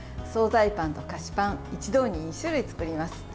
総菜パン、菓子パン一度に２種類作ります。